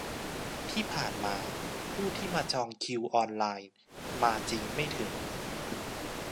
ที่ผ่านมาผู้ที่มาจองคิวออนไลน์มาจริงไม่ถึง